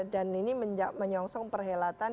dan ini menyongsong perhelatan